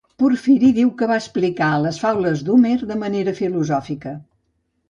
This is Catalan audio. Porfiri diu que va explicar les faules d'Homer de manera filosòfica.